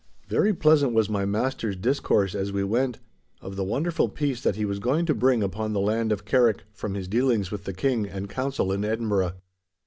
Very pleasant was my master's discourse as we went, of the wonderful peace that he was going to bring upon the land of Carrick from his dealings with the King and Council in Edinburgh.